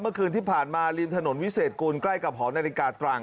เมื่อคืนที่ผ่านมาริมถนนวิเศษกูลใกล้กับหอนาฬิกาตรัง